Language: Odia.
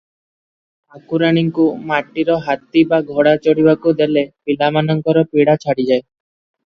ଠାକୁରାଣୀଙ୍କୁ ମାଟିର ହାତୀ ବା ଘୋଡା ଚଢ଼ିବାକୁ ଦେଲେ ପିଲାମାନଙ୍କର ପୀଡ଼ା ଛାଡିଯାଏ ।